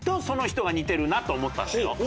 その人が似てるなと思ったんだよ。